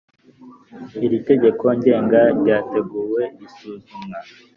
Iri tegeko ngenga ryateguwe risuzumwa